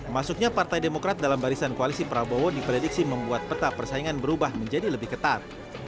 masuknya partai demokrat dalam barisan koalisi prabowo diprediksi membuat peta persaingan berubah menjadi lebih ketat